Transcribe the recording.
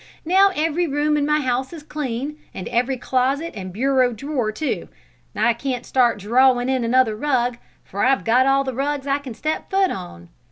Now every room in my house is clean, and every closet and bureau drawer, too; I can't start drawin' in another rug, for I've got all the rugs I can step foot on.